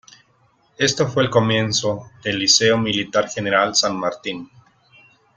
Esto fue el comienzo del Liceo Militar General San Martín.